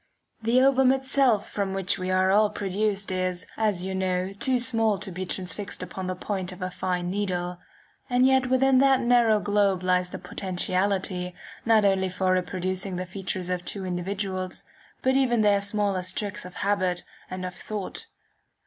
The ovum itself from which we are all produced is, as you know, too small to be transfixed upon the point of a fine needle; and yet within that narrow globe lies the potentiality, not only for reproducing the features of two individuals, but even their smallest tricks of habit and of thought.